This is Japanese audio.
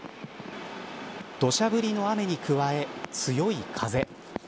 土砂降りの雨に加え強い風。